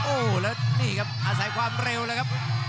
โอ้โหแล้วนี่ครับอาศัยความเร็วเลยครับ